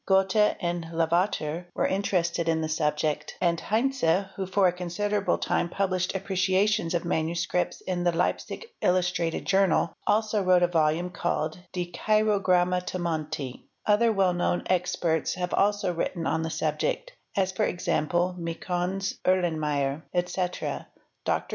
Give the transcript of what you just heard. Gethe and Lavater were interested in the subject, and Hentze, who for a considerable time published appreciations of manuscripts in the "Leipzic Illustrated Journal'', also wrote a volume called 'Die Chiro = ammatomantie'' "; other well known experts have also written on the subject, as for example Michons®®, Hrlenmyeyer "", etc.; Dr.